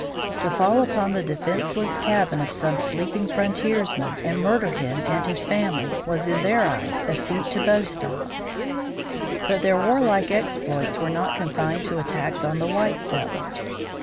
To fall upon the defenseless cabin of some sleeping frontiersman and murder him and his family was in their eyes a feat to boast of. But their warlike exploits were not confined to attacks on the white settlers.